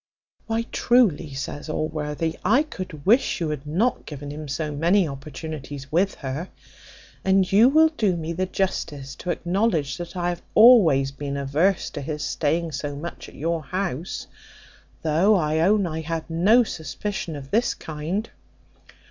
"Why truly," says Allworthy, "I could wish you had not given him so many opportunities with her; and you will do me the justice to acknowledge that I have always been averse to his staying so much at your house, though I own I had no suspicion of this kind."